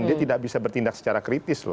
dia tidak bisa bertindak secara kritis loh